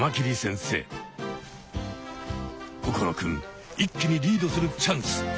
心くん一気にリードするチャンス！